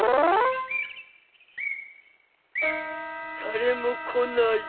誰も来ない。